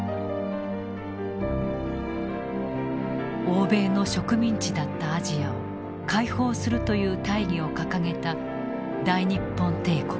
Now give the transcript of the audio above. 欧米の植民地だったアジアを解放するという大義を掲げた大日本帝国。